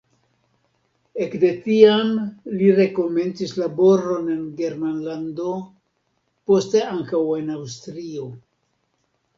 Ekde tiam li rekomencis laboron en Germanlando, poste ankaŭ en Aŭstrio.